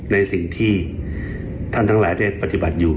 ในสิ่งที่ท่านทั้งหลายได้ปฏิบัติอยู่